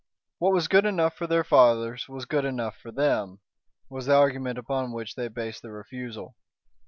What was good enough for their fathers was good enough for them, was the argument upon which they based their refusal.